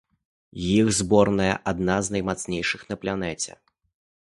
Іх зборная адна з наймацнейшых на планеце.